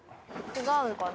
違うのかな？